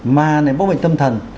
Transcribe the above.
mà bệnh tâm thần